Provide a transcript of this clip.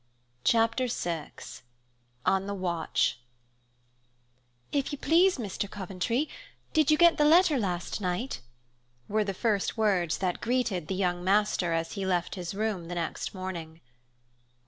Chapter VI ON THE WATCH "If you please, Mr. Coventry, did you get the letter last night?" were the first words that greeted the "young master" as he left his room next morning.